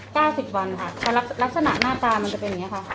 สิบวันค่ะลักษณะหน้าตามันจะเป็นอย่างเงี้ค่ะ